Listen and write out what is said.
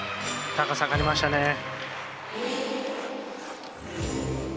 高さがありましたね。